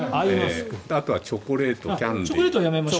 あとはチョコレートキャンディ。